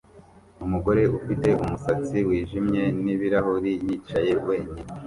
Umugore ufite umusatsi wijimye n ibirahuri yicaye wenyine